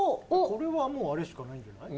これはもうあれしかないんじゃない？